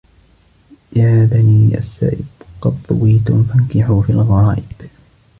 يَا بَنِي السَّائِبِ قَدْ ضُوِيتُمْ فَانْكِحُوا فِي الْغَرَائِبِ